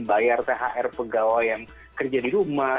bayar thr pegawai yang kerja di rumah